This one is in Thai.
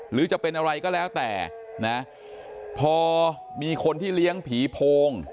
หรือจะเป็นอะไรก็แล้วแต่นะพอมีคนที่เลี้ยงผีโพง